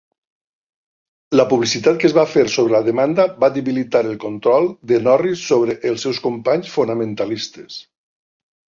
La publicitat que es va fer sobre la demanda va debilitar el control de Norris sobre els seus companys fonamentalistes.